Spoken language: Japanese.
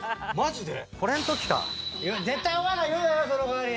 「絶対お前ら言うなよその代わり」